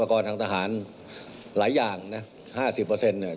พากรทางทหารหลายอย่างห้าสิบเปอร์เซ็นต์เนี่ย